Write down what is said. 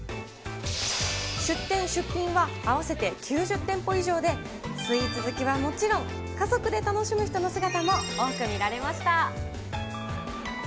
出店、出品は合わせて９０店舗以上で、スイーツ好きはもちろん、家族で楽しむ人の姿も多く見られました。